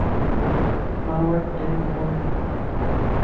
مان وٽ ٽيم ڪوني